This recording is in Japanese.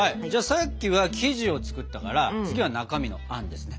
さっきは生地を作ったから次は中身のあんですね？